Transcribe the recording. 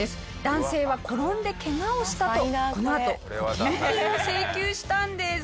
男性は転んで怪我をしたとこのあと保険金を請求したんです。